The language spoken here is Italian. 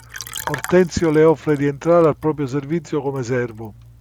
Ortensio le offre di entrare al proprio servizio come servo.